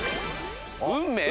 『運命』。